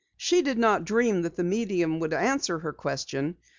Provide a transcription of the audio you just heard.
She did not dream that the medium would answer her question.